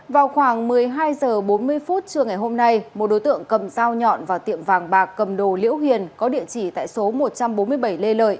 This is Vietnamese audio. vào khoảng một mươi hai h bốn mươi phút trưa ngày hôm nay một đối tượng cầm dao nhọn vào tiệm vàng bạc cầm đồ liễu hiền có địa chỉ tại số một trăm bốn mươi bảy lê lợi